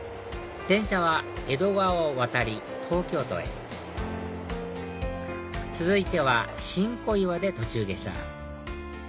電車は江戸川を渡り東京都へ続いては新小岩で途中下車